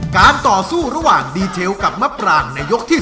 การต่อสู้ระหว่างดีเทลกับมะปรางในยกที่๓